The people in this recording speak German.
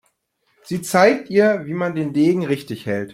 Sie zeigt ihr, wie man den Degen richtig hält.